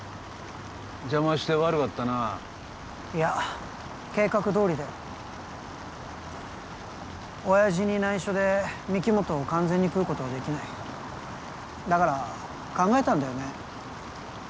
邪魔して悪かったないや計画どおりだよ親爺に内緒で御木本を完全に喰うことはできないだから考えたんだよね